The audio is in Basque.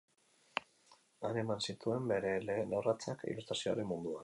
Han eman zituen bere lehen urratsak ilustrazioaren munduan.